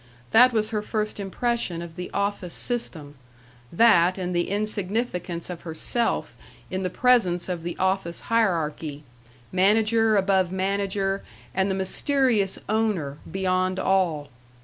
That was her first impression of the office system, that and the insignificance of herself in the presence of the office hierarchy manager above manager and the Mysterious Owner beyond all.